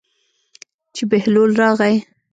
چې بهلول راغی.